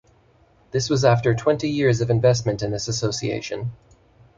This was after twenty years of investment in this association.